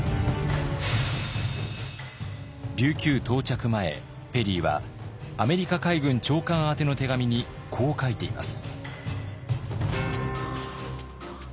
琉球到着前ペリーはアメリカ海軍長官宛ての手紙にこう書いています。